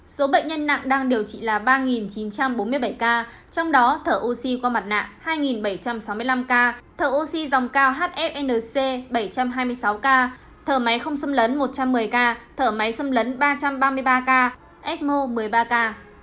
số bệnh nhân nặng đang điều trị là ba chín trăm bốn mươi bảy ca trong đó thở oxy qua mặt nặng hai bảy trăm sáu mươi năm ca thở oxy dòng cao hfnc bảy trăm hai mươi sáu ca thở máy không xâm lấn một trăm một mươi ca thở máy xâm lấn ba trăm ba mươi ba ca ecmo một mươi ba ca